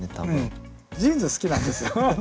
ジーンズ好きなんですよ。